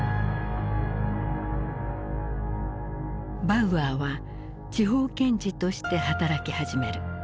バウアーは地方検事として働き始める。